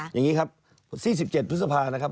อย่างนี้ครับ๔๗พฤษภานะครับ